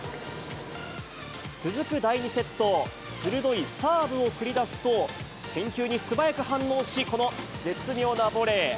続く第２セット、鋭いサーブを繰り出すと、返球に素早く反応し、この絶妙なボレー。